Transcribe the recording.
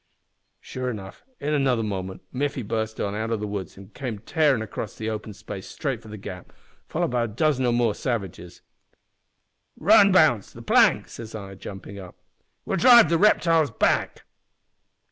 Sure enough, in another moment Miffy burst out o' the woods an' came tearin' across the open space straight for the gap, followed by a dozen or more savages. "`Run, Bounce the plank!' says I, jumpin' up. `We'll drive the reptiles back!'